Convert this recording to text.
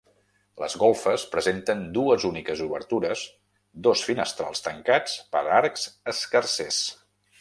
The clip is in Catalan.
Les golfes presenten dues úniques obertures, dos finestrals tancats per arcs escarsers.